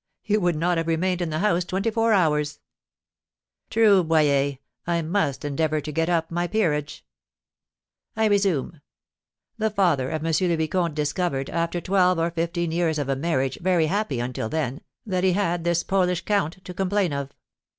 You would not have remained in the house twenty four hours." "True, Boyer; I must endeavour to 'get up' my peerage." "I resume. The father of M. le Vicomte discovered, after twelve or fifteen years of a marriage very happy until then, that he had this Polish count to complain of.